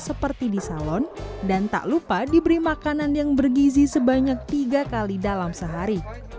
seperti di salon dan tak lupa diberi makanan yang bergizi sebanyak tiga kali dalam sehari